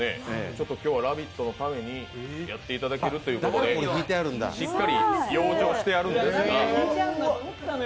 ちょっと今日は「ラヴィット！」のためにやっていただけるということで、しっかり養生してあるんですが。